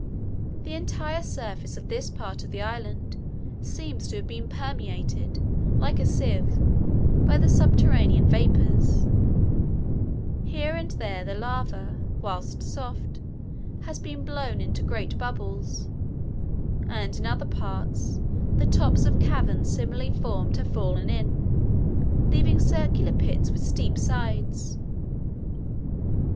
The entire surface of this part of the island seems to have been permeated, like a sieve, by the subterranean vapours: here and there the lava, whilst soft, has been blown into great bubbles; and in other parts, the tops of caverns similarly formed have fallen in, leaving circular pits with steep sides.